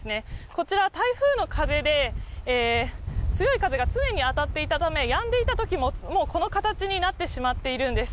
こちら、台風の風で、強い風が常に当たっていたため、やんでいたときももうこの形になってしまっているんです。